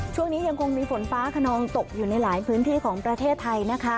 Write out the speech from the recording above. ช่วงนี้ยังคงมีฝนฟ้าขนองตกอยู่ในหลายพื้นที่ของประเทศไทยนะคะ